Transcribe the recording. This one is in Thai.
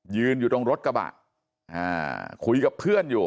ยืนอยู่ตรงรถกระบะคุยกับเพื่อนอยู่